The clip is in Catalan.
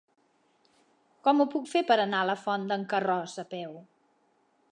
Com ho puc fer per anar a la Font d'en Carròs a peu?